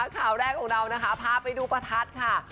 ข่าวแรกของเรานะคะพาไปดูประทัดค่ะ